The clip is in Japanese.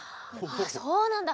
あそうなんだ。